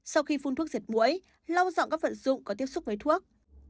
sau khi phun thuốc diệt mũi lau dọn các vật dụng có tiếp xúc với thuốc